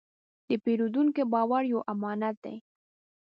د پیرودونکي باور یو امانت دی.